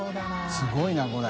すごいなこれ。